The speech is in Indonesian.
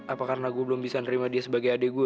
apa karena gue belum bisa nerima dia sebagai adik gue